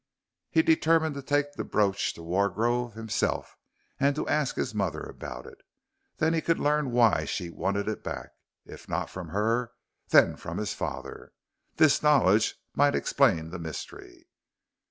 He determined to take the brooch to Wargrove himself, and to ask his mother about it. Then he could learn why she wanted it back if not from her, then from his father. This knowledge might explain the mystery.